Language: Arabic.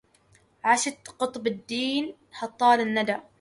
عشت قطب الدين هطال الندى